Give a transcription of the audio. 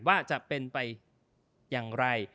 ว่าจะเป็นไปอย่างไร